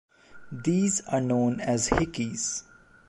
These are known as "hickeys".